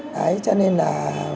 đấy cho nên là